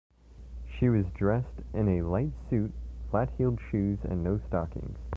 She was dressed in a light suit, flat-heeled shoes and no stockings.